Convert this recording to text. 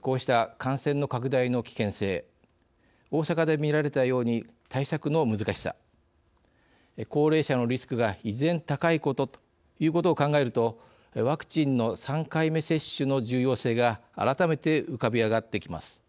こうした感染の拡大の危険性大阪で見られたように対策の難しさ、高齢者のリスクが依然高いことということを考えるとワクチンの３回目接種の重要性が改めて浮かび上がってきます。